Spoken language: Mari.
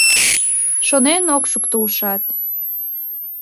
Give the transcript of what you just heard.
Шонен ок шукто ушат: